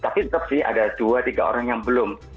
tapi tetap sih ada dua tiga orang yang belum